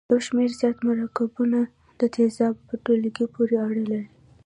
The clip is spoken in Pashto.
یو شمیر زیات مرکبونه د تیزابو په ټولګي پورې اړه لري.